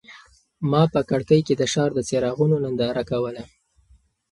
ما په کړکۍ کې د ښار د څراغونو ننداره کوله.